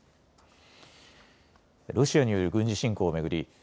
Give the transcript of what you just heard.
ロシアによる軍事侵攻を巡り